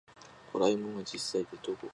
ドラえもんは実在でどこかに友達がいる